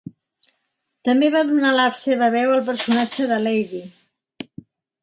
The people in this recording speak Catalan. També va donar la seva veu al personatge de Lady.